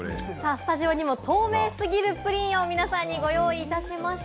スタジオにも透明すぎるプリンをご用意しました。